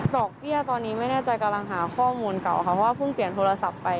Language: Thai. ดอกเบี้ยตอนนี้ไม่แน่ใจกำลังหาข้อมูลเก่าค่ะเพราะว่าเพิ่งเปลี่ยนโทรศัพท์ไป